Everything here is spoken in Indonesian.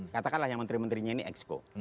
katakanlah yang menteri menterinya ini exco